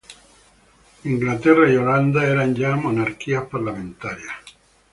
Inglaterra y Holanda eran ya monarquías parlamentarias.